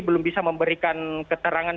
belum bisa memberikan keterangan